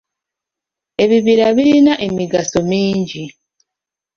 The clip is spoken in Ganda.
Ebibira birina emigaso mingi.